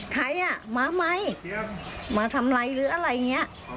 ใครอ่ะมาไหมมาทำอะไรหรืออะไรอย่างนี้